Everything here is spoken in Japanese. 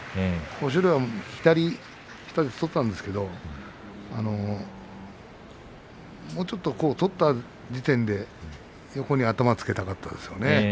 豊昇龍は左下手を取ったんですがもうちょっと取った時点で横に頭をつけたかったですね。